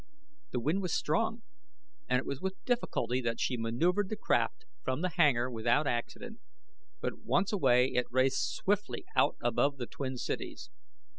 The wind was strong and it was with difficulty that she maneuvered the craft from the hangar without accident, but once away it raced swiftly out above the twin cities.